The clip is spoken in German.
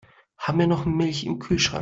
Haben wir noch Milch im Kühlschrank?